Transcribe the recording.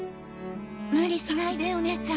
無理しないでお姉ちゃん。